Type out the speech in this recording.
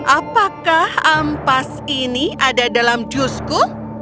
apakah ampas ini ada dalam jusku